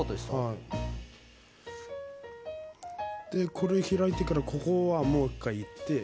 これ開いてからここはもう１回いってこう。